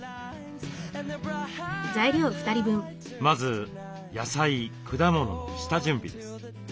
まず野菜果物の下準備です。